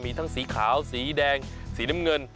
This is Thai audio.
มีทั้งสีขาวสีแดงสีน้ำเงิน